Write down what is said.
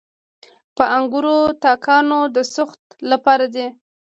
د انګورو تاکونه د سوخت لپاره دي.